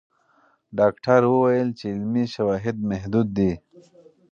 ډاکټره وویل چې علمي شواهد محدود دي.